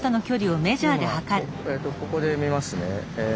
今ここで見ますね。